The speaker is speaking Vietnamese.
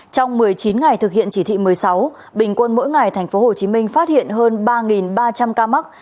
trong một mươi chín ngày thực hiện chỉ thị một mươi sáu bình quân mỗi ngày tp hcm phát hiện hơn ba ba trăm linh ca mắc